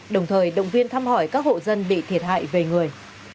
đồng thời động viên thăm hỏi các hộ dân bị thiệt hại về người